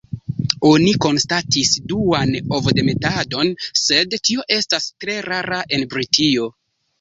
Oni konstatis duan ovodemetadon, sed tio estas tre rara en Britio.